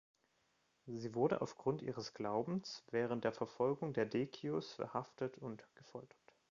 Sie wurde aufgrund ihres Glaubens während der Verfolgung der Decius verhaftet und gefoltert.